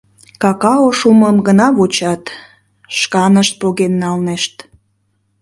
Какао шумым гына вучат, шканышт поген налнешт.